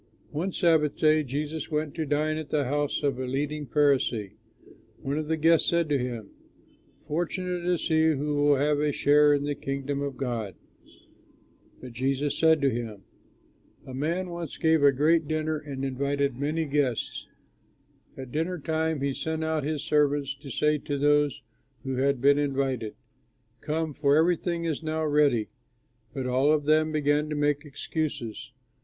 One Sabbath day Jesus went to dine at the house of a leading Pharisee. One of the guests said to him, "Fortunate is he who will have a share in the Kingdom of God." But Jesus said to him, "A man once gave a great dinner and invited many guests. At dinner time he sent out his servant to say to those who had been invited, 'Come, for everything is now ready.' But all of them began to make excuses.